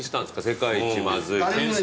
「世界一まずい」